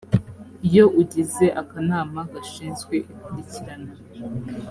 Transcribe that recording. iyo ugize akanama gashinzwe ikurikirana